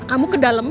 kamu ke dalam